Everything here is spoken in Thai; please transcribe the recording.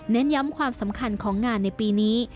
ย้ำความสำคัญของงานในปีนี้